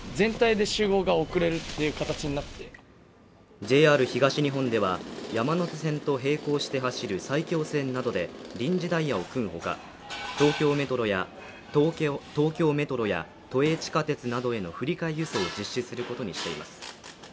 ＪＲ東日本では山手線と並行して走る埼京線などで臨時ダイヤを組むほか東京メトロや都営地下鉄などへの振り替え輸送を実施することにしています